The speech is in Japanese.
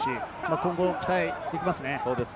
今後、期待できますね。